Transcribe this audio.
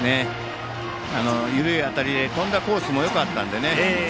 緩い当たりで飛んだコースもよかったですね。